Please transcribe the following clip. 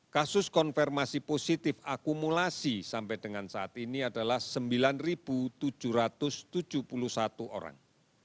kasus konfirmasi positif akumulasi sampai dengan saat ini adalah sembilan tujuh ratus tujuh puluh satu orang